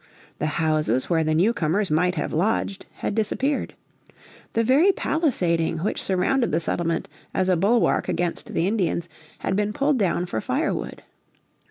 The houses where the newcomers might have lodged had disappeared. The very palisading which surrounded the settlement as a bulwark against the Indians had been pulled down for firewood.